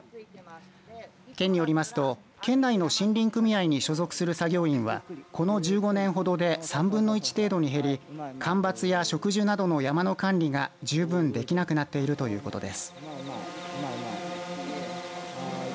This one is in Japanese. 県によりますと県内の森林組合に所属する作業員はこの１５年ほどで３分の１程度に減り、間伐や植樹などの山の管理が十分できなくなっているということです。